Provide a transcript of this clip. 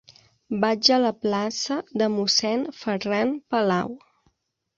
Vaig a la plaça de Mossèn Ferran Palau.